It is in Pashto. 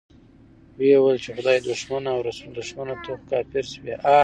ويې ويل چې خدای دښمنه او رسول دښمنه، ته خو کافر شوې.